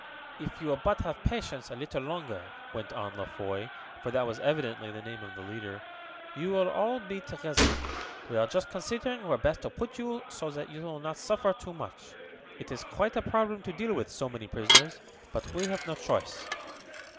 "If you will but have patience a little longer," went on La Foy, for that was evidently the name of the leader, "you will all be together. We are just considering where best to put you so that you will not suffer too much. It is quite a problem to deal with so many prisoners, but we have no choice."